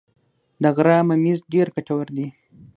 د غره ممیز ډیر ګټور دي